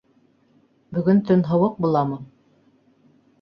Бөгөн төн һыуыҡ буламы?